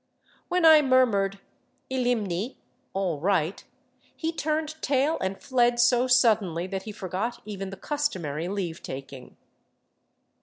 When I murmured " illimni "(" all right"), he turned tail and fled so suddenly that he forgot even the customary leave taking.